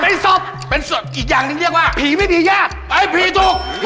เป็นศพเป็นศพอีกอย่างหนึ่งเรียกว่าผีไม่ดียากไปผีถูก